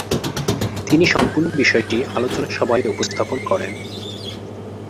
তিনি সম্পূর্ণ বিষয়টি আলোচনা সভায় উপস্থাপন করেন।